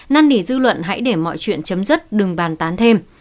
năn ỉ dư luận hãy để mọi chuyện chấm dứt đừng bàn tán thêm